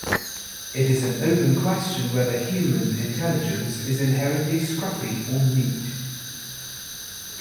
It is an open question whether "human" intelligence is inherently scruffy or neat.